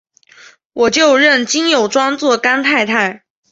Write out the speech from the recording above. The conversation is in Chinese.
我就认金友庄做干太太！